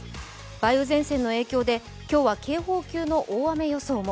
梅雨前線の影響で今日は警報級の大雨予想も。